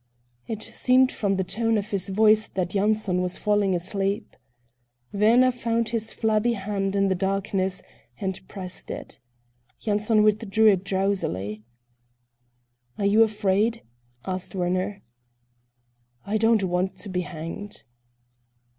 It seemed from the tone of his voice that Yanson was falling asleep. Werner found his flabby hand in the darkness and pressed it. Yanson withdrew it drowsily. "Are you afraid?" asked Werner. "I don't want to be hanged."